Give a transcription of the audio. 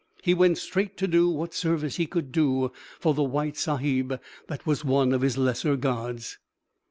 He went straight to do what service he could for the white sahib that was one of his lesser gods.